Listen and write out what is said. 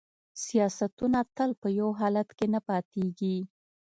سیاستونه تل په یو حالت کې نه پاتیږي